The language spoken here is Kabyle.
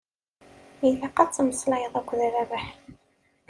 Ilaq ad temmeslayeḍ akked Rabaḥ.